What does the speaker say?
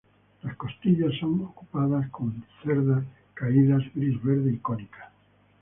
Las costillas son ocupadas con cerdas caídas gris-verde y cónicas.